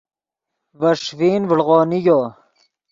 ڤے ݰیفین ڤڑو نیگو